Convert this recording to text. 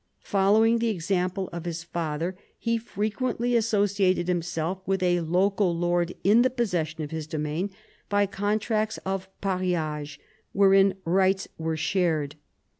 Following the example of his father he frequently associated himself with a local lord in the possession of his domain by contracts of pariage, wherein rights were shared.